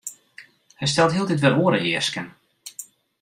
Hy stelt hieltyd wer oare easken.